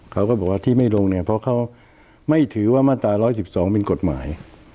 เขาก็บอกว่าที่ไม่ลงเนี่ยเพราะเขาไม่ถือว่ามาตรา๑๑๒เป็นกฎหมาย